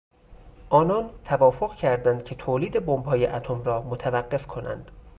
آنان توافق کردند که تولید بمبهای اتمی را متوقف کنند.